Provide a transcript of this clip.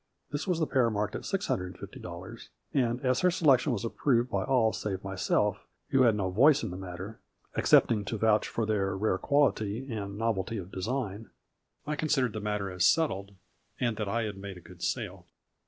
This was the pair marked at $650, and, as her selection was approved by all save myself, who had no voice in the matter, excepting to vouch for their rare quality and novelty of design, I considered the matter as settled, and that I had made a good sale.